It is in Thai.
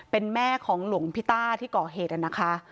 เป็นแม่ของหลวงพี่ต้าที่ก่อเหตุนะคะ